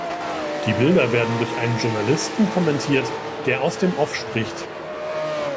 Die Bilder werden durch einen Journalisten kommentiert, der aus dem Off spricht.